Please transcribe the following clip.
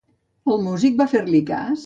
El músic va fer-li cas?